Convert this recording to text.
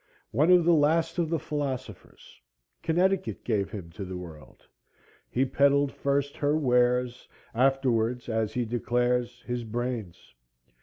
One of the last of the philosophers,—Connecticut gave him to the world,—he peddled first her wares, afterwards, as he declares, his brains.